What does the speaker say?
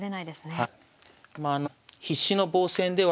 はい。